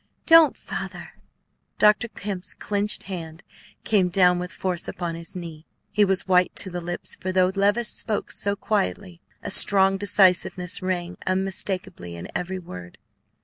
"Don't, Father!" Dr. Kemp's clinched hand came down with force upon his knee. He was white to the lips, for though Levice spoke so quietly, a strong decisiveness rang unmistakably in every word.